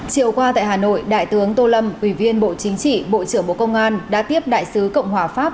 chiều qua tại hà nội đại tướng tô lâm ủy viên bộ chính trị bộ trưởng bộ công an đã tiếp đại sứ cộng hòa pháp